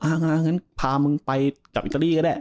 งั้นพามึงไปกับอิตาลีก็ได้